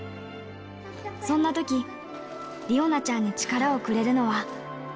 そんなとき、理央奈ちゃんに力をくれるのは。